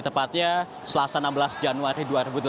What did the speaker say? tepatnya selasa enam belas januari dua ribu delapan belas